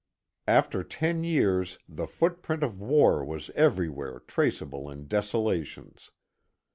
After ten years the footprint of war was everywhere traceable in desolations.